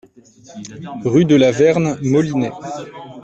Rue de la Verne, Molinet